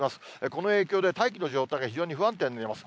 この影響で大気の状態が非常に不安定になります。